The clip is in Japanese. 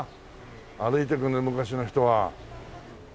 歩いていくんだよ昔の人は。